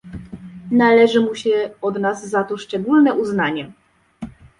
Należy mu się od nas za to szczególne uznanie